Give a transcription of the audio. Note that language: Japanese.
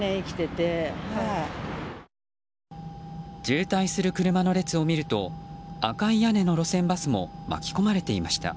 渋滞する車の列を見ると赤い屋根の路線バスも巻き込まれていました。